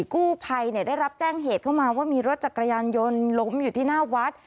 กู้ภัยได้รับแจ้งเหตุเข้ามาว่ามีรถจักรยานยนต์ล้มอยู่ที่หน้าวัด